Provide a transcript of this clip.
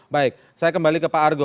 baik saya kembali ke pak argo